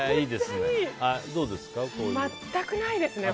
全くないですね。